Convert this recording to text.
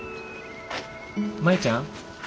舞ちゃん。